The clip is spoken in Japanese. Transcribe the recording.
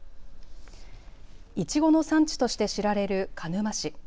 いちごの産地として知られる鹿沼市。